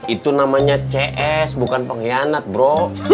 itu namanya cs bukan pengkhianat bro